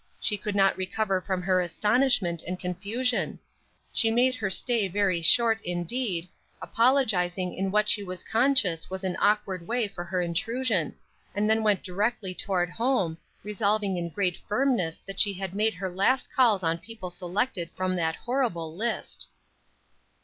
She could not recover from her astonishment and confusion; she made her stay very short, indeed, apologizing in what she was conscious was an awkward way for her intrusion, and then went directly toward home, resolving in great firmness that she had made her last calls on people selected from that horrible list.